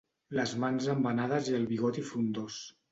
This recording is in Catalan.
Les mans embenades i el bigoti frondós.